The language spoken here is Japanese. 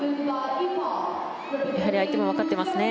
やはり相手も分かっていますね。